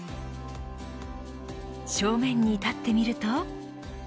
正面に立ってみると。